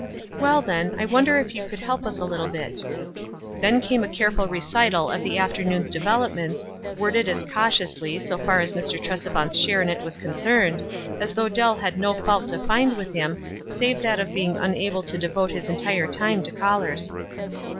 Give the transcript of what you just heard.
"Well, then, I wonder if you could help U9 a little bit?" Then came a careful recital of the afternoon's developments, worded as cautiously, so far as Mr. Tresevant's share in it was concerned, as though Dell had no fault to find with him, save that of being unable to devote his entire time to callers.